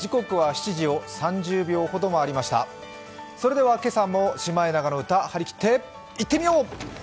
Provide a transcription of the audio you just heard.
それでは今朝も「シマエナガの歌」張り切っていってみよう。